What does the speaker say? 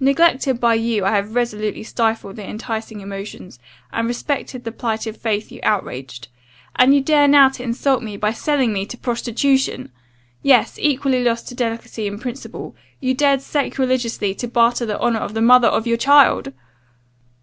Neglected by you, I have resolutely stifled the enticing emotions, and respected the plighted faith you outraged. And you dare now to insult me, by selling me to prostitution! Yes equally lost to delicacy and principle you dared sacrilegiously to barter the honour of the mother of your child.